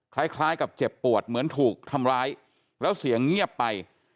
คล้ายกับเจ็บปวดเหมือนถูกทำร้ายแล้วเสียงเงียบไป